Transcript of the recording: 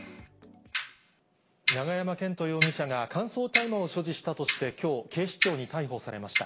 永山絢斗容疑者が乾燥大麻を所持したとして、きょう、警視庁に逮捕されました。